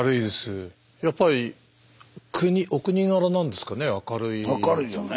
やっぱりお国柄なんですかね